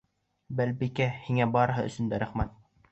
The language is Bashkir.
Балбикә, һиңә барыһы өсөн дә рәхмәт.